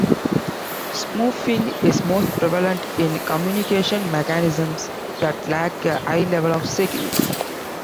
Spoofing is most prevalent in communication mechanisms that lack a high level of security.